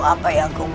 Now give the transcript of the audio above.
apa yang kumau